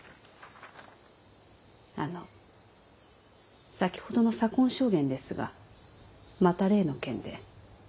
あの先ほどの左近将監ですがまた例の件で。